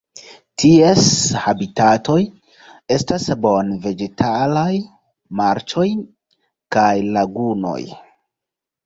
Ties habitato estas bone vegetalaj marĉoj kaj lagunoj.